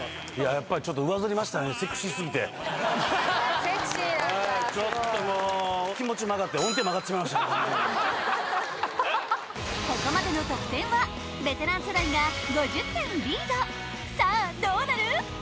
やっぱりちょっと・セクシーだったすごいここまでの得点はベテラン世代が５０点リードさあどうなる？